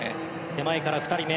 手前から２人目